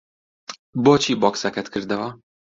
بۆچی بۆکسەکەت کردەوە؟